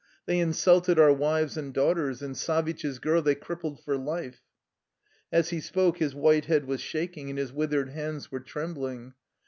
They insulted our wives and daughters, and Savitch's girl they crippled for life." As he spoke his white head was shaking, and his withered hands were trembling.